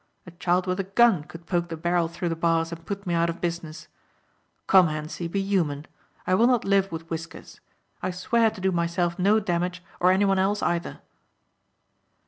A child with a gun could poke the barrel through the bars and put me out of business. Come Hentzi, be human. I will not live with whiskers. I swear to do myself no damage or anyone else either."